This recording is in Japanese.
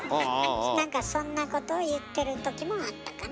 なんかそんなことを言ってるときもあったかな。